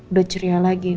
udah ceria lagi